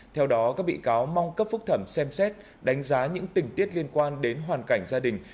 theo đó các bị cáo mong cấp phúc thẩm xem xét đánh giá những tình tiết liên quan đến hoàn cảnh gia đình